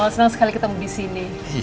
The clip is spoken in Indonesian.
senang sekali ketemu di sini